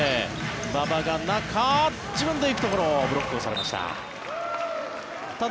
馬場が中、自分で行くところをブロックをされました。